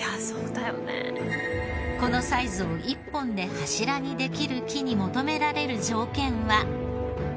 このサイズを１本で柱にできる木に求められる条件は。